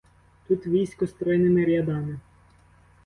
Тут військо стройними рядами